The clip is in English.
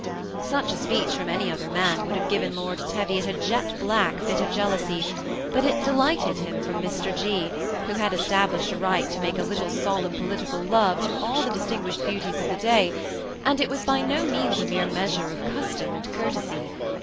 Such a speech from any other man would have given Lord Teviot a jet black fit of jealousy, but it delighted him from Mr. G., who had established a right to make a little solemn political love to all the distinguished beauties of the day, and it was by no means a mere measure of custom and courtesy.